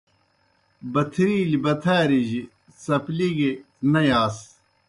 بتھرِیلیْ بتھارِجیْ څپلے گیْ نہ یاس۔